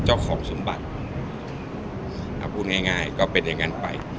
สมบัติถ้าพูดง่ายก็เป็นอย่างนั้นไป